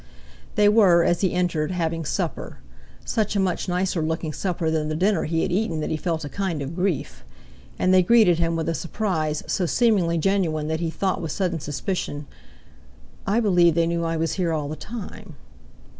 They were, as he entered, having supper—such a much nicer looking supper than the dinner he had eaten that he felt a kind of grief—and they greeted him with a surprise so seemingly genuine that he thought with sudden suspicion: "I believe they knew I was here all the time."